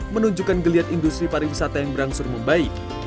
menunjukkan geliat industri pariwisata yang berangsur membaik